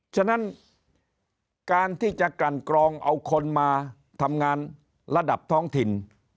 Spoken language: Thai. ฉะนั้นการที่จะกันกรองเอาคนมาทำงานระดับท้องถิ่น